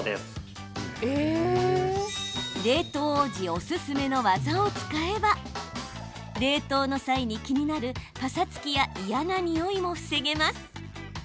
冷凍王子おすすめの技を使えば冷凍の際に気になるぱさつきや嫌なにおいも防げます。